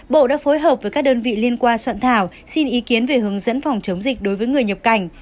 bộ đã phối hợp với các đơn vị liên quan soạn thảo xin ý kiến về hướng dẫn phòng chống dịch đối với người nhập cảnh